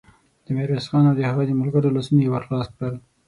د ميرويس خان او د هغه د ملګرو لاسونه يې ور خلاص کړل.